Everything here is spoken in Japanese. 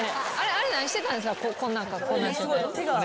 あれ何してたんだっけ？